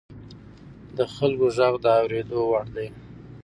د خلکو غږ د اورېدو وړ دی